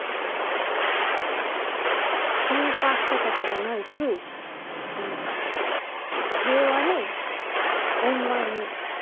ケンカしたとかじゃないし何か平和に円満に別れたから。